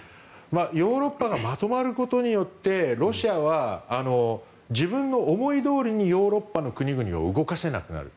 ヨーロッパがまとまることによってロシアは自分の思いどおりにヨーロッパの国々を動かせなくなる。